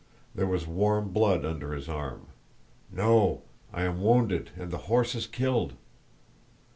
There was warm blood under his arm. "No, I am wounded and the horse is killed."